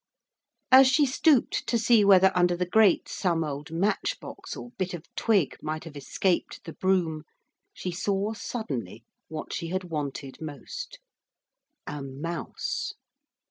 As she stooped to see whether under the grate some old match box or bit of twig might have escaped the broom, she saw suddenly what she had wanted most a mouse.